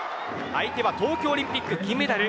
相手は東京オリンピック銀メダル